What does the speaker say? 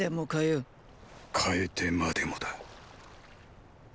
変えてまでもだ。